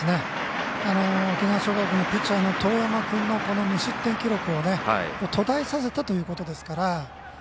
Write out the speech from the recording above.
沖縄尚学のピッチャーの當山君の無失点記録を途絶えさせたということですから。